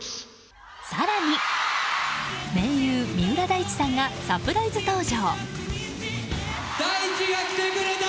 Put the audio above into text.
更に盟友・三浦大知さんがサプライズ登場。